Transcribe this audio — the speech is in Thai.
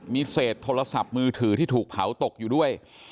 มีเศษโทรศัพท์มือถือที่ถูกเผาตกอยู่ด้วย